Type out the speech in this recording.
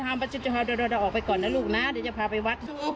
ป้าน้องคือตัวนี้ป้าน้องคือตัวนี้เออป้าน้องก็มาแล้วเนี่ยทำไมมีอะไรอีกลูก